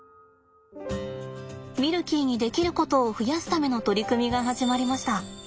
ミルキーにできることを増やすための取り組みが始まりました。